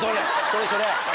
それそれ！